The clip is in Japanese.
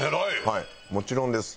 はいもちろんです。